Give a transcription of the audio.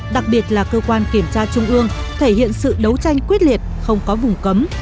đặc biệt là cơ quan kiểm tra trung ương thể hiện sự đấu tranh quyết liệt không có vùng cấm